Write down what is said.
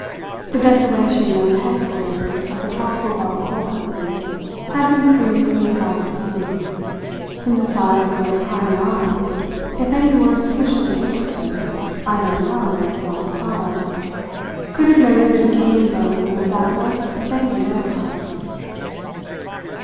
The desolation of the headquarters of the Tropical Belt Coal Company had been screened from the side of the sea; from the side where prying eyes if any were sufficiently interested, either in malice or in sorrow could have noted the decaying bones of that once sanguine enterprise.